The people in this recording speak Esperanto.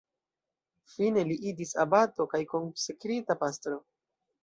Fine li iĝis abato kaj konsekrita pastro.